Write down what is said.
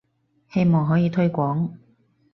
希望可以推廣